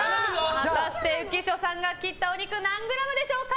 果たして浮所さんが切ったお肉何グラムでしょうか。